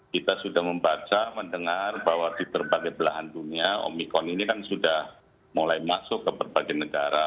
kita sudah membaca mendengar bahwa di berbagai belahan dunia omikron ini kan sudah mulai masuk ke berbagai negara